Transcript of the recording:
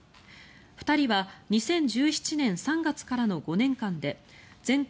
２人は２０１７年３月からの５年間で全国